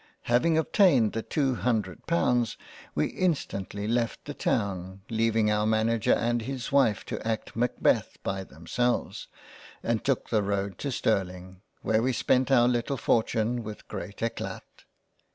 Having obtained the two Hundred Pounds, we instantly left the Town, leaving our Manager and his Wife to act Macbeth by themselves, and took the road to Sterling, where we spent our little fortune with great eclat.